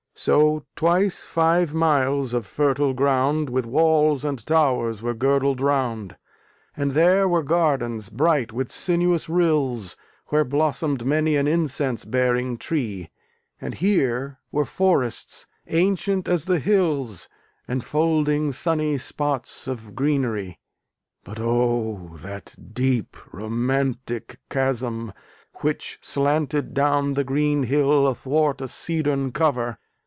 So twice five miles of fertile ground With walls and towers were girdled round: And there were gardens bright with sinuous rills Where blossomed many an incense bearing tree; And here were forests ancient as the hills, Enfolding sunny spots of greenery. But oh! that deep romantic chasm which slanted Down the green hill athwart a cedarn cover!